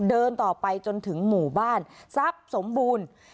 เดินต่อไปจนถึงหมู่บ้านทรัพย์สมบูรณ์